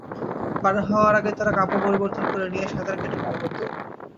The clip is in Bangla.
পার হওয়ার আগে তারা কাপড় পরিবর্তন করে নিয়ে সাঁতার কেটে পার হতো।